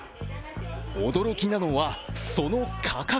驚きなのは、その価格。